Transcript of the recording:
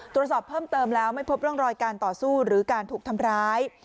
ตรวจสอบเพิ่มเติมแล้วไม่พบร่องรอยการต่อสู้หรือการถูกทำร้าย